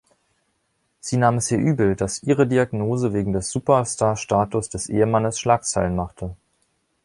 Sie nahm es ihr übel, dass ihre Diagnose wegen des Superstar-Status des Ehemannes Schlagzeilen machte.